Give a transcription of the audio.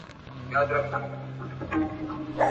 مخ يې ونيوى پر كور ما ته يې شا سوه.